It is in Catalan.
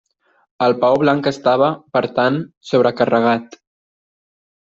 El peó blanc estava, per tant, sobrecarregat.